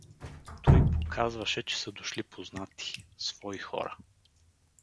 Туй показваше, че са дошли познати, свои хора.